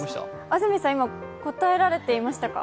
安住さん、今答えられていましたか？